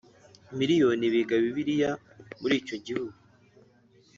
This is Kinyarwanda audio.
miriyoni biga Bibiliya muri icyo gihugu